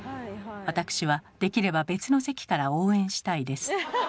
私はできれば別の席から応援したいです。